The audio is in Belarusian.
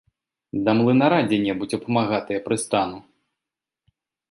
Да млынара дзе-небудзь у памагатыя прыстану.